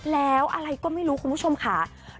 แล้วอะไรก็ไม่รู้คุณผู้ชมค่ะ